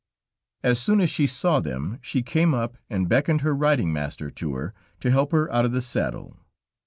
As soon as she saw them, she came up, and beckoned her riding master to her to help her out of the saddle.